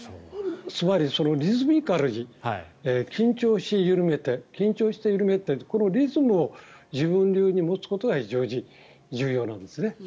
つまり、リズミカルに緊張して緩めて、緊張して緩めてこのリズムを自分流に持つことが非常に重要なんですね。